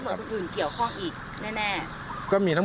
แล้วมีทั้งหมดศูนย์อื่นเกี่ยวข้องอีกแน่